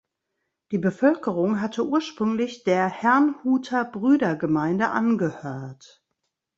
Die Bevölkerung hatte ursprünglich der Herrnhuter Brüdergemeine angehört.